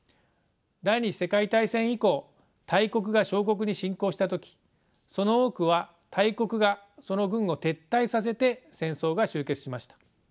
第２次世界大戦以降大国が小国に侵攻した時その多くは大国がその軍を撤退させて戦争が終結しました。